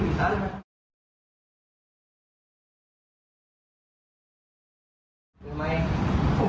มึงยังไงหล่อ